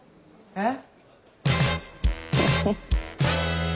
えっ？